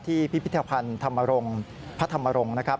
พิพิธภัณฑ์ธรรมรงค์พระธรรมรงค์นะครับ